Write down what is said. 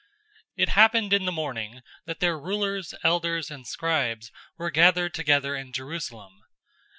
004:005 It happened in the morning, that their rulers, elders, and scribes were gathered together in Jerusalem.